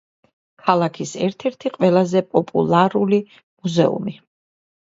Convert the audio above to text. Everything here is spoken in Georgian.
ქალაქის ერთ-ერთი ყველაზე პოპულარული მუზეუმი.